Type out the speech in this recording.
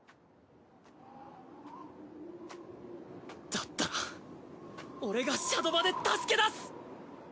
だったら俺がシャドバで助け出す！